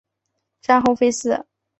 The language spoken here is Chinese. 战后废寺。